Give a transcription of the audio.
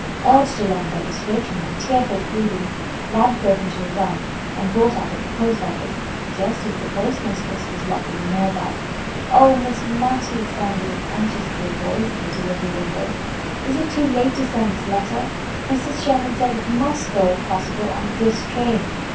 Urged along by the switch and her tearful pleadings, Lad broke into a run and brought up at the post office, just as the postmistress was locking the mail bag. "Oh, Miss Mattie!" sounded an anxious little voice at the delivery window, "is it too late to send this letter? Mrs. Sherman said it must go, if possible, on this train."